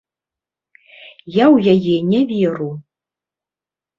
Я ў яе не веру.